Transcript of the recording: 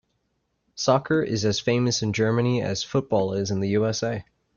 Soccer is as famous in Germany as football is in the USA.